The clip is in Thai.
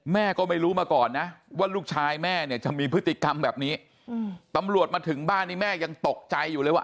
แม่ก็ไม่รู้มาก่อนนะว่าลูกชายแม่เนี่ยจะมีพฤติกรรมแบบนี้ตำรวจมาถึงบ้านนี้แม่ยังตกใจอยู่เลยว่า